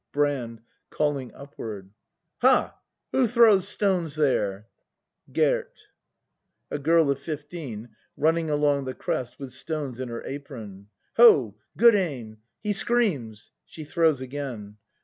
Brand. [Calling upward.] Ha! who throws stones there? Gerd. [A girl of fifteen, running along the crest with stones in her apron.] Ho! Good aim! He screams! [She throws again.